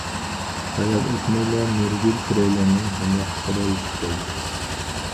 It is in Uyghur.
ھايال ئۆتمەيلا نۇرگۈل بىرەيلەننىڭ ھەمراھلىقىدا يېتىپ كەلدى.